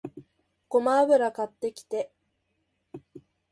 ごま油買ってきて